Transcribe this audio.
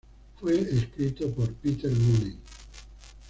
Fue escrito por Peter Mooney.